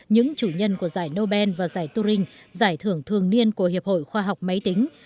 những chủ nhân của giải nobel và giải turing giải thưởng thường niên của hiệp hội khoa học máy tính